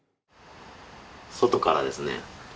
外からですね